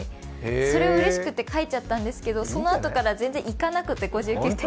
それをうれしくて書いちゃったんですけど、そのあとから全然いかなくて。